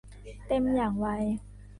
เต็มอย่างไว